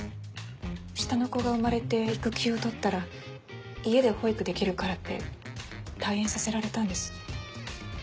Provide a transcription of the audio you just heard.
下の子が生まれて育休を取ったら家で保育できるからって退園させられたんです